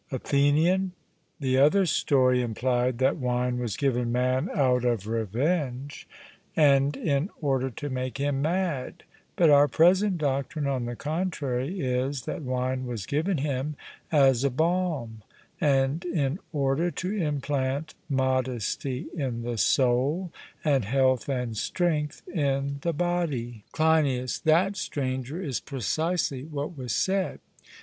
ATHENIAN: The other story implied that wine was given man out of revenge, and in order to make him mad; but our present doctrine, on the contrary, is, that wine was given him as a balm, and in order to implant modesty in the soul, and health and strength in the body. CLEINIAS: That, Stranger, is precisely what was said.